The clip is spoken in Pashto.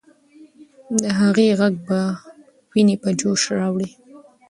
د هغې ږغ به ويني په جوش راوړي.